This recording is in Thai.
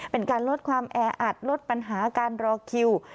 เป็นการลดความแออัดลดปัญหาการรอคิว